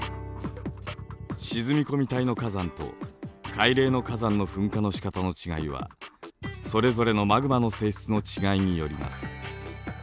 沈み込み帯の火山と海嶺の火山の噴火のしかたの違いはそれぞれのマグマの性質の違いによります。